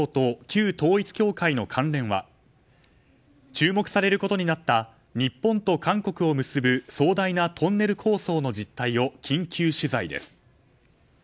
注目されることになった日本と韓国を結ぶ壮大なトンネル構想の実態を緊急取材です。